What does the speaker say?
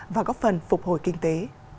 và góp phần phục hồi kinh tế